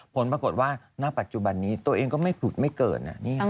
ผลปรากฏว่าณปัจจุบันนี้ตัวเองก็ไม่ผุดไม่เกิน